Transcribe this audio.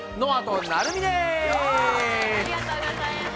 ありがとうございます。